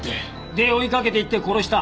で追いかけていって殺した。